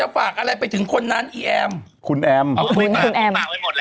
ผมก็แค่นั้นเลยครับ